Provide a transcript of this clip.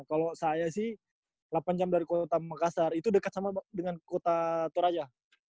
kalau saya sih delapan jam dari kota makassar itu dekat sama dengan kota toraja